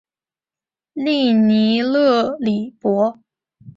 利尼勒里博。